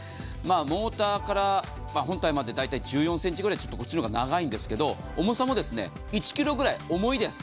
モーターから本体までだいたい１４ｃｍぐらいこっちの方が長いんですが重さも１ｋｇぐらい重いです。